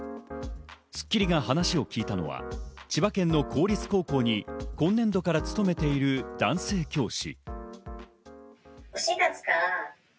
『スッキリ』が話を聞いたのは千葉県の公立高校に今年度から勤めている男性教師。